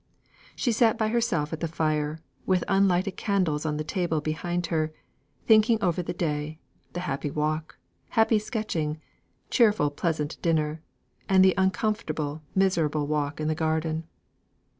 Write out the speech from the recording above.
She sat by herself at the fire, with unlighted candles on the table behind her, thinking over the day, the happy walk, happy sketching, cheerful pleasant dinner, and the uncomfortable, miserable walk in the garden.